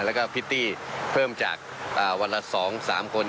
แล้วก็พิตตี้เพิ่มจากวันละ๒๓คน